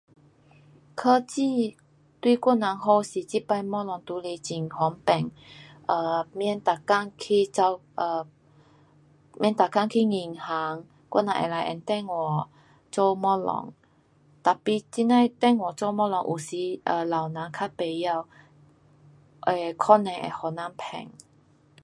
科技对我人好就是这次东西都是很方便，um 免每天去跑 um 免每天去银行，我人可以用电话做东西 tapi 这呐的电话做东西有时老人较甭晓。um 可能会给人骗。